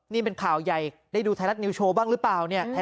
นี่เป็นข่าวใหญ่ได้ดูไทยรัฐนิวโชว์บ้างหรือเปล่าเนี่ย